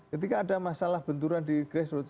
ketika ada masalah benturan di grassroots